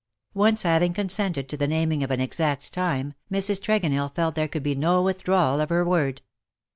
Once having consented to the naming of an exact time, Mrs Tregonell felt there could be no withdrawal of her word.